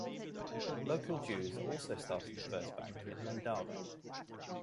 Local Jews also started the first bank in Lendava.